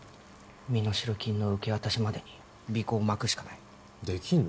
身代金の受け渡しまでに尾行をまくしかないできんの？